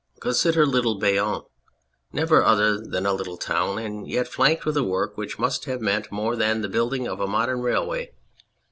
Consider little Bayonne, never other than a little town, and yet flanked with a work which must have meant more than the building of a modern railway.